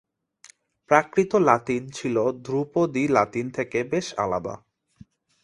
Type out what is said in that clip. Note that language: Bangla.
প্রাকৃত লাতিন ছিল ধ্রুপদী লাতিন থেকে বেশ আলাদা।